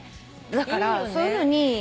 だからそういうのに入れて。